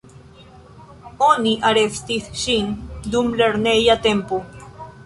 Oni arestis ŝin dum lerneja tempo.